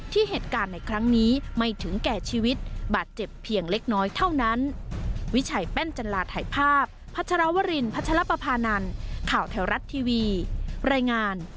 เหตุการณ์ในครั้งนี้ไม่ถึงแก่ชีวิตบาดเจ็บเพียงเล็กน้อยเท่านั้น